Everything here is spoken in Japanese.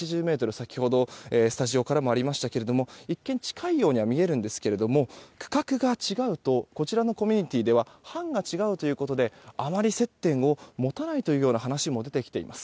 先ほどスタジオからもありましたけれども一見近いように見えるんですが区画が違うとこちらのコミュニティーでは班が違うということであまり接点を持たないという話も出てきています。